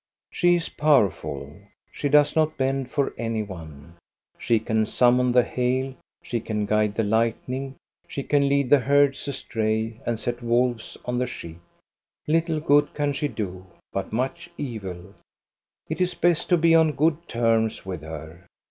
She is powerful. She does not bend for any one. She can summon the hail, she can guide the light ning. She can lead the herds astray and set wolves on the sheep. Little good can §he do, but much evil. It is best to be on good terms with her!